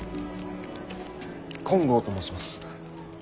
金剛と申します。